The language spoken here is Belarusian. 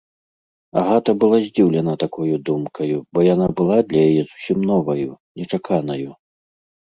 Агата была здзіўлена такою думкаю, бо яна была для яе зусім новаю, нечаканаю.